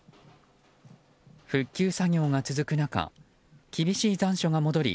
復旧作業が続く中厳しい残暑が戻り